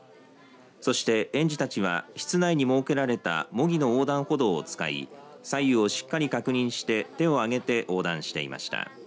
そして、園児たちは室内に設けられた模擬の横断歩道を使い左右をしっかり確認して手を挙げて横断していました。